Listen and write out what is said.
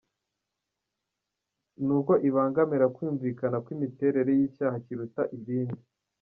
Ni uko ibangamira kwumvikana kw’imiterere y’icyaha kiruta ibindi.